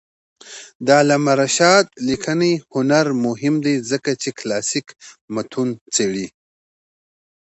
د علامه رشاد لیکنی هنر مهم دی ځکه چې کلاسیک متون څېړي.